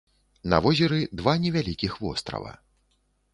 На возеры два невялікіх вострава.